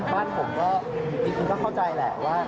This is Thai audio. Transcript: บ้านผมก็จริงก็เข้าใจแหละว่า